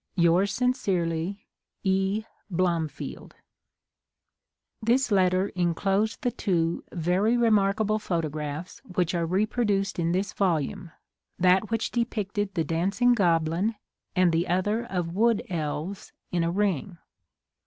Yours sincerely, E. Blomfield. This letter enclosed the two very remark able photographs which are reproduced in this volume, that which depicted the dancing'"^, goblin, and the other of wood elves in a ring.